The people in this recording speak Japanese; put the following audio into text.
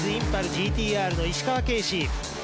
ＧＴ−Ｒの石川京侍。